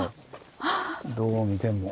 どう見ても。